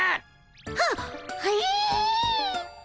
はっはい。